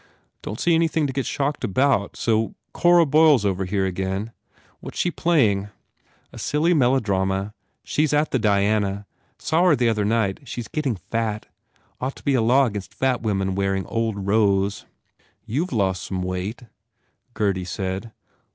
"Don t see anything to get shocked about. So Cora Boyle s over here again? What s she play ing?" "A silly melodrama. She s at the Diana. Saw her the other night. She s getting fat. Ought to be a law against fat women wearing old rose." "You ve lost some weight," Gurdy said.